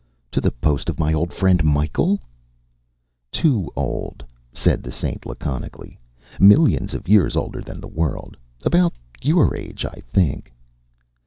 “To the post of my old friend Michael!” “Too old,” said the Saint laconically. “Millions of years older than the world. About your age, I think.